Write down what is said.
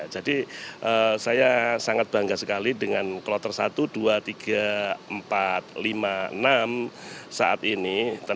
jadi saya sangat bangga sekali dengan kloter satu dua tiga empat lima enam saat ini